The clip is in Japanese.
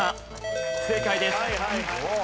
正解です。